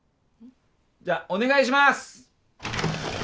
じゃあお願いします！